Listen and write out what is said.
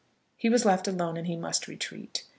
He was left alone, and he must retreat.